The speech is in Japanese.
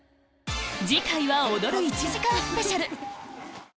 次回は踊る１時間スペシャル